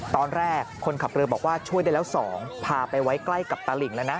ตอนแรกคนขับเรือบอกว่าช่วยได้แล้ว๒พาไปไว้ใกล้กับตลิ่งแล้วนะ